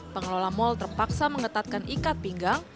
pengelola mal terpaksa mengetatkan ikat pinggang